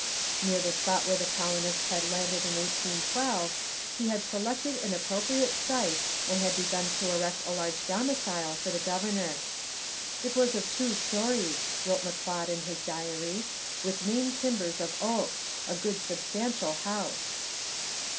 Near the spot where the colonists had landed in 1812 he had selected an appropriate site and had begun to erect a large domicile for the governor. 'It was of two stories,' wrote M'Leod in his diary, 'with main timbers of oak; a good substantial house.'